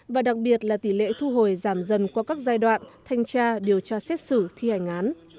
và đặc biệt là tỷ lệ thu hồi giảm dần qua các giai đoạn thanh tra điều tra xét xử thi hành án